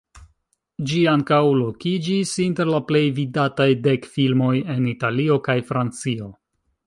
Ĝi ankaŭ lokiĝis inter la plej vidataj dek filmoj en Italio kaj Francio.